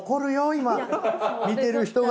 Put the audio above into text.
今見てる人が。